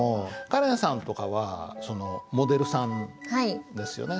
カレンさんとかはモデルさんですよね。